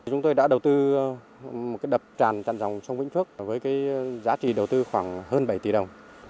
chúng tôi đã đầu tư một đập tràn dòng sông vĩnh phước với giá trị đầu tư khoảng hơn bảy tỷ đồng